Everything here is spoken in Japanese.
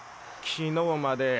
昨日まで。